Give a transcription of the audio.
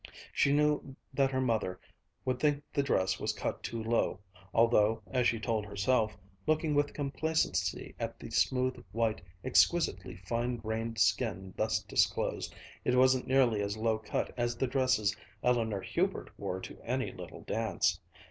She knew that her mother would think the dress was cut too low, although, as she told herself, looking with complacency at the smooth, white, exquisitely fine grained skin thus disclosed, it wasn't nearly as low cut as the dresses Eleanor Hubert wore to any little dance.